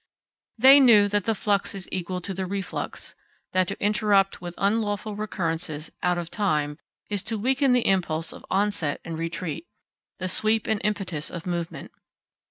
They knew that the flux is equal to the reflux; that to interrupt with unlawful recurrences, out of time, is to weaken the impulse of onset and retreat; the sweep and impetus of movement.